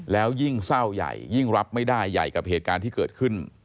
แล้วยิ่งเศร้าใหญ่ยิ่งรับไม่ได้ใหญ่กับเหตุการณ์ที่เกิดขึ้น